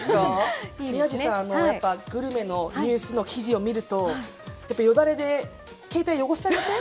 宮司さんグルメニュース記事を見るとよだれで携帯を汚しちゃいません？